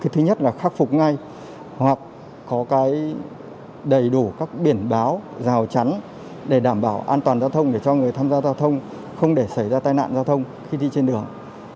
thứ nhất là khắc phục ngay hoặc có đầy đủ các biển báo rào chắn để đảm bảo an toàn giao thông để cho người tham gia giao thông không để xảy ra tai nạn giao thông khi đi trên đường